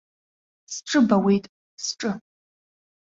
Сҿы бауеит, сҿы.